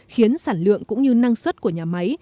khiến sản lượng cũng như năng suất của nhà máy